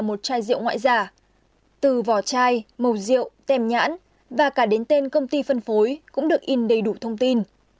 màu rượu tem nhãn và cả đến tên công ty phân phối cũng được in đầy đủ thông tin